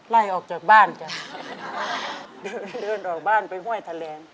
ไล่ออกจากบ้านจ้ะเดินเดินออกบ้านไปห้วยแถลง